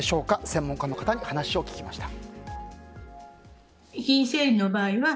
専門家の方に話を聞きました。